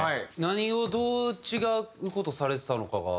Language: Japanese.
何をどう違う事されてたのかが。